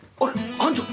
班長！